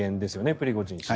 プリゴジン氏。